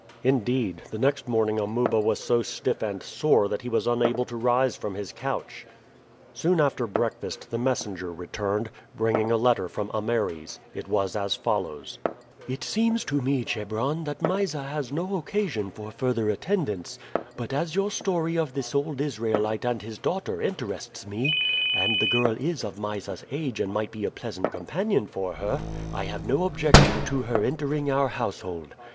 Indeed, the next morning Amuba was so stiff and sore that he was unable to rise from his couch. Soon after breakfast the messenger returned, bringing a letter from Ameres. It was as follows: "It seems to me, Chebron, that Mysa has no occasion for further attendants; but as your story of this old Israelite and his daughter interests me, and the girl is of Mysa's age and might be a pleasant companion for her, I have no objection to her entering our household.